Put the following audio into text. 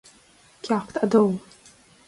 Ceacht a Dó